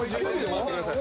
回ってください。